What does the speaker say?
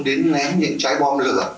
đến ném những trái bom lửa